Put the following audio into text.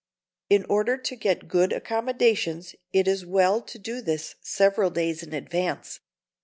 In order to get good accommodations it is well to do this several days in advance.